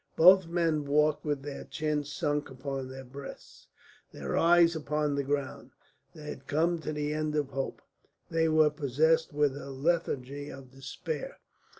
Both men walked with their chins sunk upon their breasts, their eyes upon the ground. They had come to the end of hope, they were possessed with a lethargy of despair.